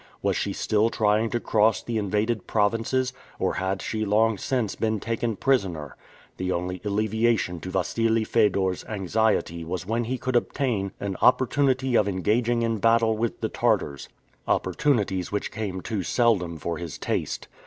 Was she still trying to cross the invaded provinces, or had she long since been taken prisoner? The only alleviation to Wassili Fedor's anxiety was when he could obtain an opportunity of engaging in battle with the Tartars opportunities which came too seldom for his taste.